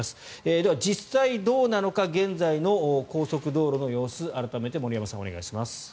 では、実際にどうなのか現在の高速道路の様子改めて森山さんお願いします。